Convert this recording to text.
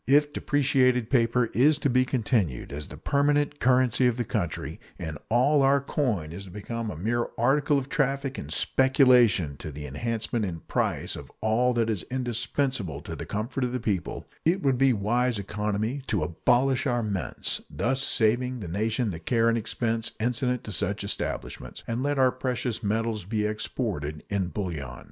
If depreciated paper is to be continued as the permanent currency of the country, and all our coin is to become a mere article of traffic and speculation to the enhancement in price of all that is indispensable to the comfort of the people, it would be wise economy to abolish our mints, thus saving the nation the care and expense incident to such establishments, and let our precious metals be exported in bullion.